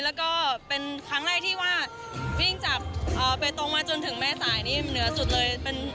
แล้วก็เป็นครั้งแรกที่ว่าวิ่งจับไปตรงมาจนถึงแม่สายนี่เหนือสุดเลย